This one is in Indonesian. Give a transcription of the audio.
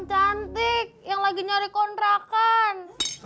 cantik yang lagi nyari kontrakan